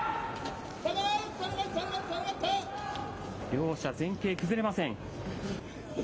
両者、前傾、崩れません。